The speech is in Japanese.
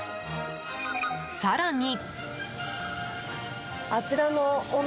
更に。